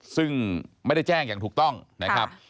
ซึ่งไม่ได้แจ้งอย่างถูกต้องนะครับ